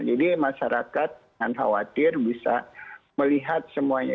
jadi masyarakat tanpa khawatir bisa melihat semuanya